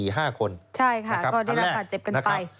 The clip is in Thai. ใช่ค่ะก็ได้รับบาดเจ็บกันไป